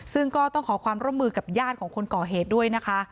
ซึ่งก็ต้องขอความร่วมมือกับญาติของคนก่อเหตุด้วยนะคะ